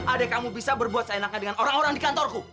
adik kamu bisa berbuat seenaknya dengan orang orang di kantorku